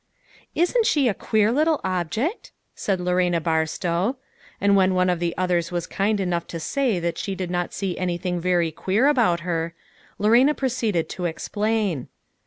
" Isn't she a queer little object?" said Lorena Barstow. And when one of the others was kind enough to say that she did not see anything very queer about her, Lorena proceeded to explain.